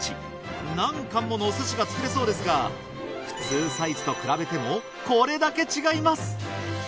何貫ものおすしが作れそうですが普通サイズと比べてもこれだけ違います！